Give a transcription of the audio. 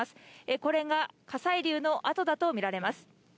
これが火砕流の跡だと見られます。